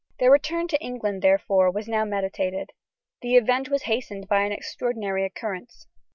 Their return to England, therefore, was now meditated. The event was hastened by an extraordinary occurrence.